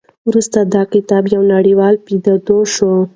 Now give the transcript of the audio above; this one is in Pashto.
وروسته دا کتاب یوه نړیواله پدیده شوه.